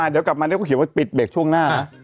เดี๋ยวกลับมาแล้วก็เขียวว่าปิดเวลาช่วงหน้า